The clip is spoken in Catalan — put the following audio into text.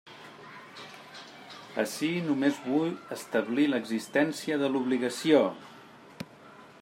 Ací només vull establir l'existència de l'obligació.